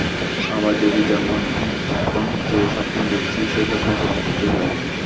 আবার যদি জন্ম নিইএখন যেই স্বপ্ন দেখছি, সেই স্বপ্ন পূরণ করতে চাই।